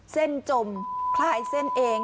เส้นจมคลายเส้นเอง